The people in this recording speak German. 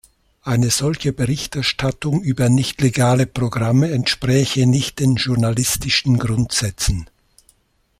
Eine solche Berichterstattung über nicht legale Programme entspräche nicht den journalistischen Grundsätzen.